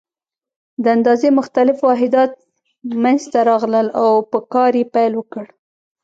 د اندازې مختلف واحدات منځته راغلل او په کار یې پیل وکړ.